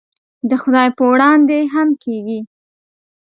د خدای په وړاندې هم کېږي.